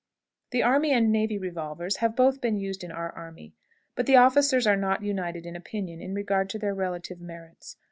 The army and navy revolvers have both been used in our army, but the officers are not united in opinion in regard to their relative merits.